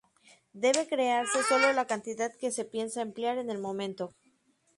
Debe crearse sólo la cantidad que se piensa emplear en el momento.